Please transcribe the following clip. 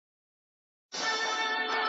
د طلا او جواهرو له شامته .